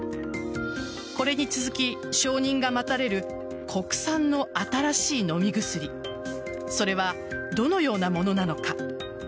これに続き、承認が待たれる国産の新しい飲み薬それはどのようなものなのか。